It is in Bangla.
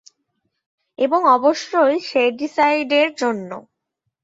এবং অবশ্যই শ্যাডিসাইডের জন্য।